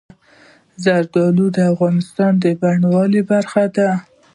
زردالو د افغانستان د بڼوالۍ برخه ده.